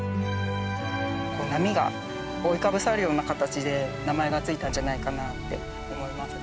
波が覆いかぶさるような形で名前が付いたんじゃないかなって思います。